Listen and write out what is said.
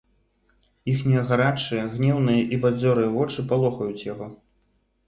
Іхнія гарачыя, гнеўныя і бадзёрыя вочы палохаюць яго.